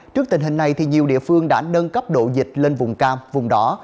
trước tình hình này nhiều địa phương đã nâng cấp độ dịch lên vùng cam vùng đó